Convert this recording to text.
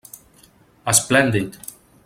Esplèndid!